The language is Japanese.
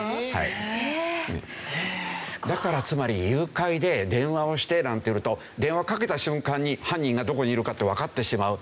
だからつまり誘拐で電話をしてなんていうと電話をかけた瞬間に犯人がどこにいるかってわかってしまう。